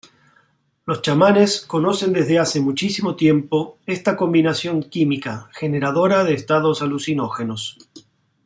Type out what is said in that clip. Los chamanes conocen desde hace muchísimo tiempo esta combinación química generadora de estados alucinógenos.